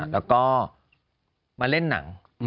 แล้วก็มาเล่นหนัง